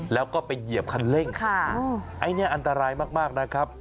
แล้วก็ไปเหยียบคันเร่งอันนี้อันตรายมากนะครับ